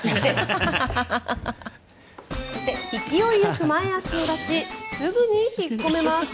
勢いよく前足を出しすぐに引っ込めます。